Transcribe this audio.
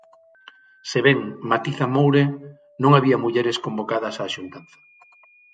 Se ben, matiza Moure, non había mulleres convocadas á xuntanza.